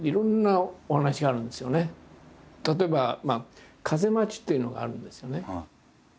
例えば「風待ち」っていうのがあるんですよね。